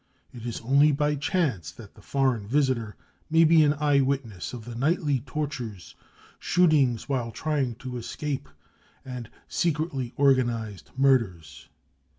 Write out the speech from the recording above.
It is only by chance that the foreign visitor may be an eye witness of the nightly tortures, shootings cc while trying to escape " and secretly organised murders.